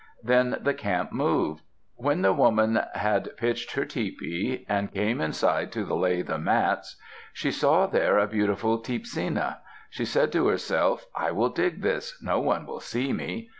Then the camp moved. When the woman had pitched her tepee, and came inside to lay the mats, she saw there a beautiful teepsinna. She said to herself, "I will dig this; no one will see me."